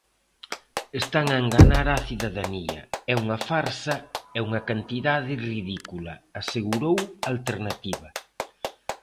"Están a enganar á cidadanía; é unha farsa e unha cantidade ridícula", asegurou Alternativa.